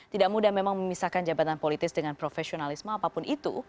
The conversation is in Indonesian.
tidak mudah memang memisahkan jabatan politis dengan profesionalisme apapun itu